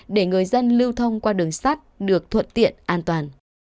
để người dân lưu thông qua đường sắt được thuận tiện an toàn